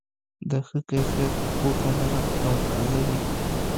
د ښه کیفیت غوښه نرم او تازه وي.